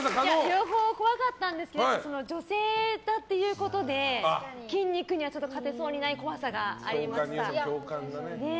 両方怖かったんですけど女性だということで筋肉には勝てそうにない怖さがありました。